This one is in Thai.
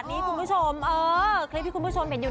แก่วต่อมาเอาพ่อกินเพียวช่วงนี้ทุกคนนะครับ